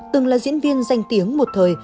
từng là diễn viên danh tiếng một thời